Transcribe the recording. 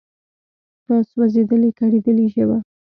په سوزیدلي، کړیدلي ژبه